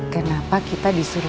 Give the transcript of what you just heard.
kenapa kita disuruh